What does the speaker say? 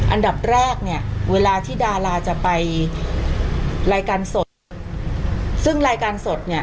อันดับแรกเนี่ยเวลาที่ดาราจะไปรายการสดซึ่งรายการสดเนี่ย